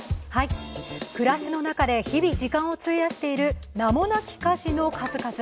暮らしの中で日々、時間を費やしている名もなき家事の数々。